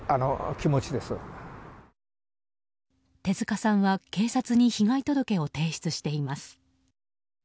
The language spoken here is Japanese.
手塚さんは警察に被害届を提出しています。